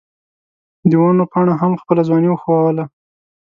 د ونو پاڼو هم خپله ځواني ښووله.